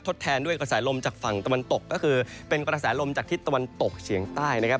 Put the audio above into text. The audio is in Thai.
แทนด้วยกระแสลมจากฝั่งตะวันตกก็คือเป็นกระแสลมจากทิศตะวันตกเฉียงใต้นะครับ